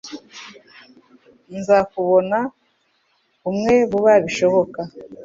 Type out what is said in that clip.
Nzakubona umwe vuba bishoboka